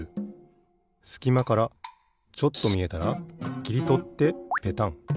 すきまからちょっとみえたらきりとってペタン。